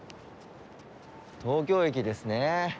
東京駅ですね。